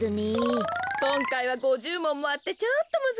こんかいは５０もんもあってちょっとむずかしかったかな？